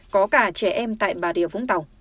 có cả trẻ em tại bà rìa vũng tàu